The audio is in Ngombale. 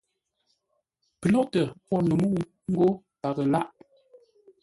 Pəlóghʼtə pwor no mə́u ńgó paghʼə lághʼ.